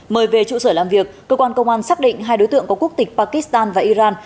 mời về trụ sở làm việc cơ quan công an xác định hai đối tượng có quốc tịch pakistan và iran